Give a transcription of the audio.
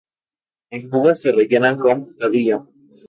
En Cuba se rellenan con picadillo.